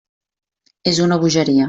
És una bogeria.